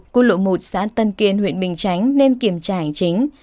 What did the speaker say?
quân lộ một xã tân kiên huyện bình chánh nên kiểm tra ảnh chính